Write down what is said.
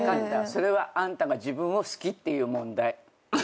それはあんたが自分を好きっていう問題。